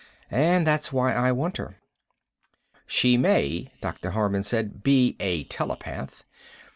And that's why I want her." "She may," Dr. Harman said, "be a telepath."